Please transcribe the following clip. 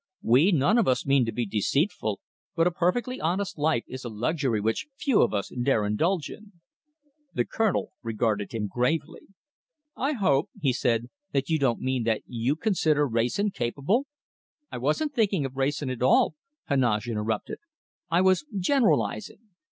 We none of us mean to be deceitful, but a perfectly honest life is a luxury which few of us dare indulge in." The Colonel regarded him gravely. "I hope," he said, "that you don't mean that you consider Wrayson capable " "I wasn't thinking of Wrayson at all," Heneage interrupted. "I was generalizing.